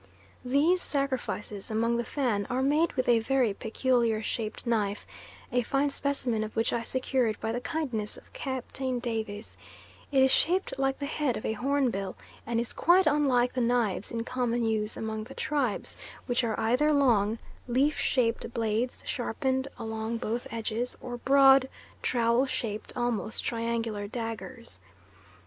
These sacrifices among the Fan are made with a very peculiar shaped knife, a fine specimen of which I secured by the kindness of Captain Davies; it is shaped like the head of a hornbill and is quite unlike the knives in common use among the tribes, which are either long, leaf shaped blades sharpened along both edges, or broad, trowel shaped, almost triangular daggers.